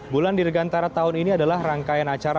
bulan dirgantara tahun ini adalah rangkaian acara